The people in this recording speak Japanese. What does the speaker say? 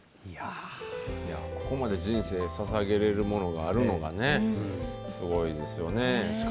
ここまで人生ささげられるものがあるのがねすごいですよね。